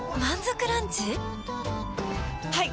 はい！